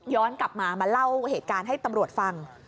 กลับมามาเล่าเหตุการณ์ให้ตำรวจฟัง